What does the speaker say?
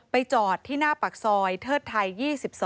จอดที่หน้าปากซอยเทิดไทย๒๒